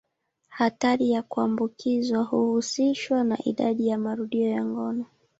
Hatari ya kuambukizwa huhusishwa na idadi ya marudio ya ngono.